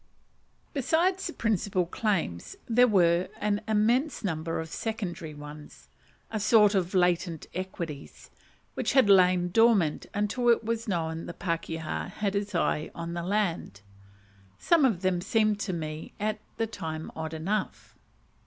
Besides the principal claims there were an immense number of secondary ones a sort of latent equities which had lain dormant until it was known the pakeha had his eye on the land. Some of them seemed to me at the time odd enough.